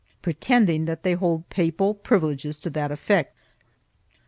pre tending that they hold papal privileges to that effect.